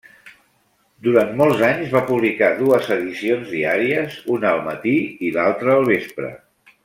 Durant molts anys va publicar dues edicions diàries: una al matí i l'altra al vespre.